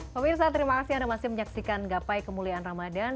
pemirsa terima kasih anda masih menyaksikan gapai kemuliaan ramadan